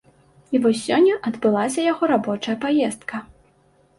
І вось сёння адбылася яго рабочая паездка.